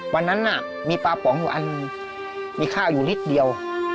วันนั้นมีปลาป๋องอยู่อันมีข้าวอยู่นิดเดียว